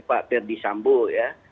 tapi pak ferdisambu ya